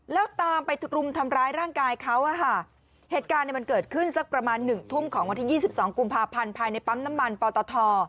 แล้วตามไปรุมทำร้ายร่างกายเขาอ่ะค่ะเหตุการณ์เนี่ยมันเกิดขึ้นสักประมาณหนึ่งทุ่มของวันที่ยี่สิบสองกุมภาพันธ์ภายในปั๊มน้ำมันปอตท